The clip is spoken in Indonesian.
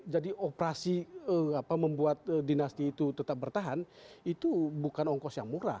jadi operasi membuat dinasti itu tetap bertahan itu bukan ongkos yang murah